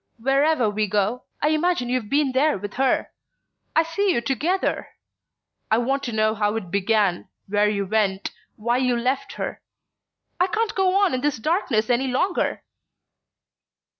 Wherever we go, I imagine you've been there with her...I see you together. I want to know how it began, where you went, why you left her...I can't go on in this darkness any longer!"